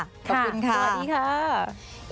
ค่ะสวัสดีค่ะ